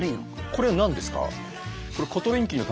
これは何ですか？